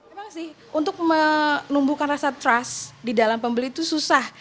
memang sih untuk menumbuhkan rasa trust di dalam pembeli itu susah